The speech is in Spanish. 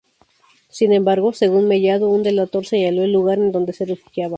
Sin embargo, según Mellado, un delator señaló el lugar en donde se refugiaba.